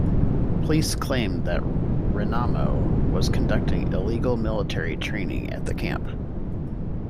Police claimed that Renamo was conducting illegal military training at the camp.